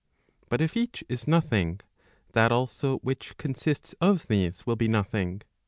But if each is nothing, that also which consists of these will be nothing.